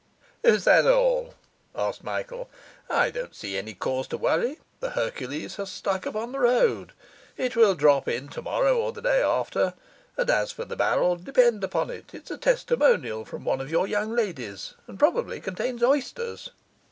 'Is that all?' asked Michael. 'I don't see any cause to worry. The Hercules has stuck upon the road. It will drop in tomorrow or the day after; and as for the barrel, depend upon it, it's a testimonial from one of your young ladies, and probably contains oysters.